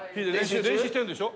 練習してるんでしょ？